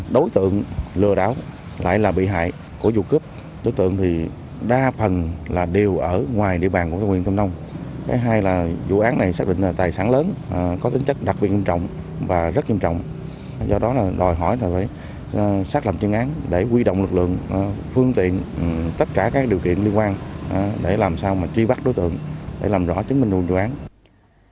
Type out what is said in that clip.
đòi hỏi là phải xác lập chương án để quy động lực lượng phương tiện tất cả các điều kiện liên quan để làm sao mà truy bắt đối tượng để làm rõ chứng minh nguồn chương án